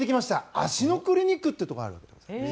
足のクリニックというところがあるんです。